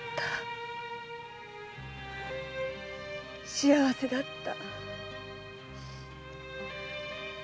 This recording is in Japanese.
幸せだった。